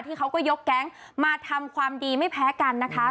เขาก็ยกแก๊งมาทำความดีไม่แพ้กันนะคะ